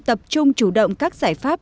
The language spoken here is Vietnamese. tập trung chủ động các giải pháp